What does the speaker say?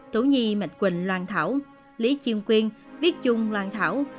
tú nhi mạnh quỳnh loan thảo lý chiên quyên viết chung loan thảo